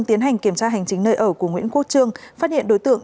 tiến hành kiểm tra hành chính nơi ở của nguyễn quốc trương phát hiện đối tượng